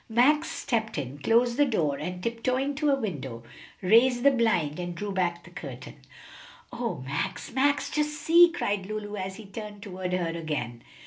Max stepped in, closed the door, and tiptoeing to a window, raised the blind and drew back the curtain. "O Max, Max; just see!" cried Lulu, as he turned toward her again.